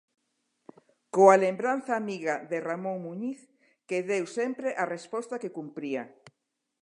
Coa lembranza amiga de Ramón Muñiz, que deu sempre a resposta que cumpría.